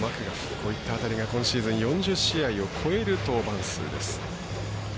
こういった辺りが今シーズン４０試合を超える登板数です。